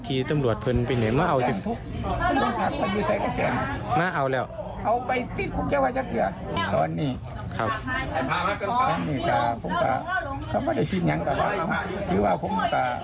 คือว่าผมจะพ่อเนื้อกันกรรมอีกแบบนึง